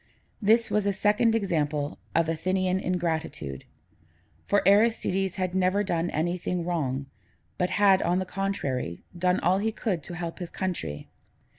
This was a second example of Athenian ingratitude; for Aristides had never done anything wrong, but had, on the contrary, done all he could to help his country.